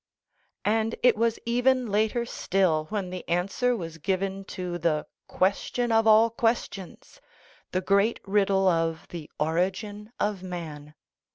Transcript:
And it was even later still when the answer was given to the "question of all questions," the great riddle of the origin of man.